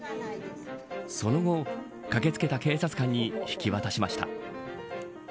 その後、駆け付けた警察官に引き渡しました。